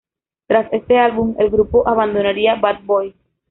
Tras este álbum, el grupo abandonaría Bad Boy.